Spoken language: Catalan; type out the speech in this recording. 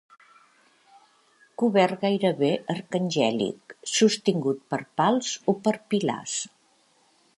Cobert gairebé arcangèlic sostingut per pals o per pilars.